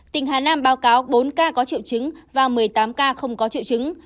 tỉnh hà nam báo cáo bốn ca có triệu chứng và một mươi tám ca không có triệu chứng